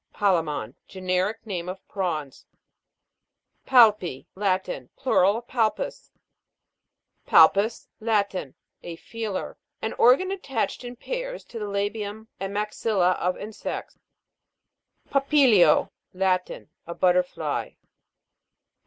PALJE'MON. Generic name of prawns. PAL'PI. Latin. Plural of Palpus. PAL' PUS. Latin. A feeler. An or gan attached in pairs to the labium and maxilla of insects. PAPI'LIO. Latin. A butterfly.